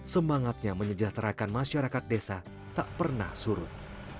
semangatnya menyejahterakan masyarakat desa tak pernah surut